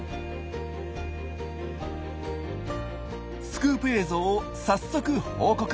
スクープ映像を早速報告。